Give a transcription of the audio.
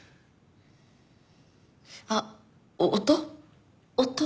あっお音？